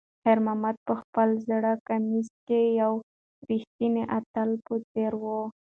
خیر محمد په خپل زوړ کمیس کې د یو ریښتیني اتل په څېر و.